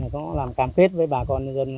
có làm cam kết với bà con dân